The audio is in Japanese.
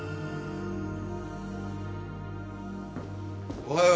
おはよう。